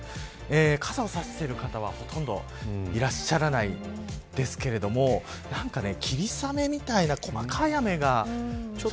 傘を差している方はほとんどいらっしゃらないですけれども霧雨みたいな細かい雨が。